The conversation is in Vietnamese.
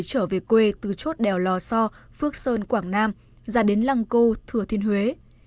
trở về quê từ chốt đèo lò so phước sơn quảng nam ra đến lăng cô thừa thiên huế